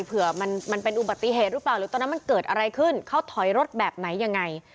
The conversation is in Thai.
เผื่อมันเป็นอุบัติเหตุหรือเปล่าหรือตอนนั้นมันเกิดอะไรขึ้นเขาถอยรถแบบไหนยังไง